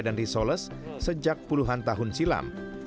dan risoles sejak puluhan tahun silam